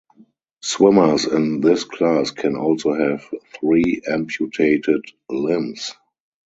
Swimmers in this class can also have three amputated limbs.